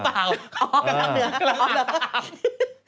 อ๋อกระทั่งเนื้อ